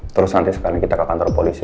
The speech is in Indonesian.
terus nanti sekali kita ke kantor polisi